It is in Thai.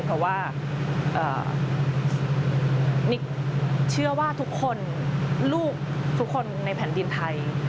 เพราะว่านิกเชื่อว่าทุกคนลูกทุกคนในแผ่นดินไทย